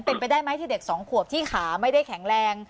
เป็นไปได้ไหมที่เด็กสองขวบที่ขาไม่ได้แข็งแรง